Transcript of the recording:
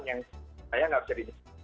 yang sepertinya tidak bisa diberikan